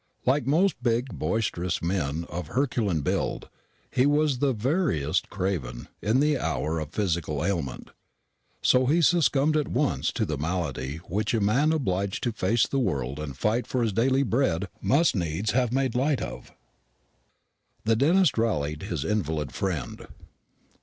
Like most big boisterous men of herculean build, he was the veriest craven in the hour of physical ailment; so he succumbed at once to the malady which a man obliged to face the world and fight for his daily bread must needs have made light of. The dentist rallied his invalid friend.